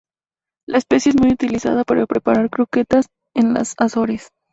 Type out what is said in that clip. La especie es muy utilizada para preparar "croquetas" en las Azores.